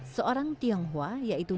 seorang tionghoa yaitu